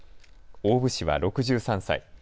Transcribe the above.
大部氏は６３歳。